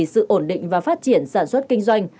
sự ổn định và phát triển sản xuất kinh doanh